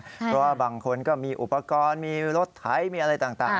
เพราะว่าบางคนก็มีอุปกรณ์มีรถไถมีอะไรต่าง